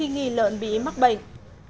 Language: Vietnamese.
nghi lợn bị mắc bệnh